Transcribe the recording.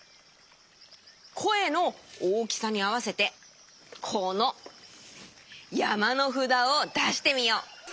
こえの大きさにあわせてこのやまのふだをだしてみよう。